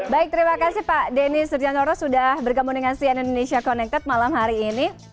baik terima kasih pak denny surjanoro sudah bergabung dengan cn indonesia connected malam hari ini